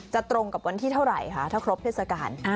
ตรงกับวันที่เท่าไหร่คะถ้าครบเทศกาล